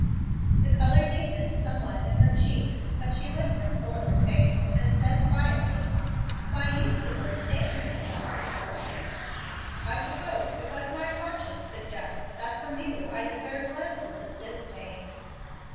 The color deepened somewhat in her cheeks, but she looked him full in the face, and said quietly, "Why use the word 'deign,' Mr. Harcourt?" "I suppose because my conscience suggests that from you I deserve glances of dis dain."